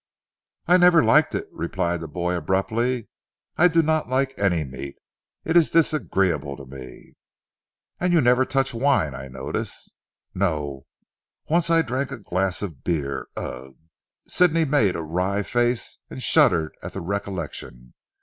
"I never liked it," replied the boy abruptly. "I do not like any meat; it is disagreeable to me." "And you never touch wine I notice." "No. I once drank a glass of beer. Ugh!" Sidney made a wry face and shuddered at the recollection.